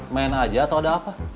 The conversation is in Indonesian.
main aja atau ada apa